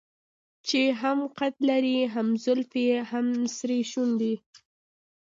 چې هم قد لري هم زلفې هم سرې شونډې.